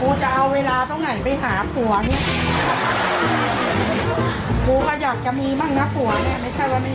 กูจะเอาเวลาเท่าไหร่ไปหาขัวเนี่ย